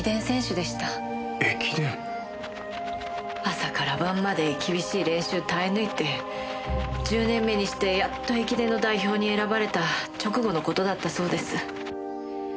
朝から晩まで厳しい練習を耐え抜いて１０年目にしてやっと駅伝の代表に選ばれた直後の事だったそうです。